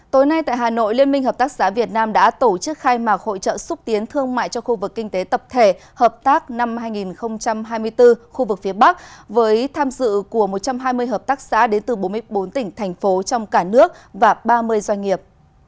tối nay tại hà nội liên minh hợp tác xã việt nam đã tổ chức khai mạc hội trợ xúc tiến thương mại cho khu vực kinh tế tập thể hợp tác năm hai nghìn hai mươi bốn khu vực phía bắc với tham dự của một trăm hai mươi hợp tác xã đến từ bốn mươi bốn tỉnh thành phố trong cả nước và ba mươi doanh nghiệp